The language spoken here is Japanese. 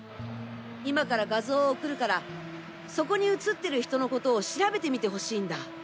今から画像を送るからそこに映ってる人のことを調べてみてほしいんだ。